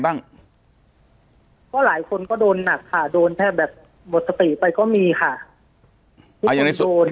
ปากกับภาคภูมิ